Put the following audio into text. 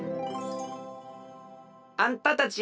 あんたたちは？